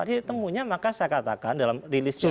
jadi ditemunya maka saya katakan dalam rilis yang saya buat